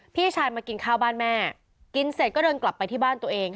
พี่ชายมากินข้าวบ้านแม่กินเสร็จก็เดินกลับไปที่บ้านตัวเอง